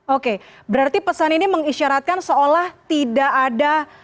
oke berarti pesan ini mengisyaratkan seolah tidak ada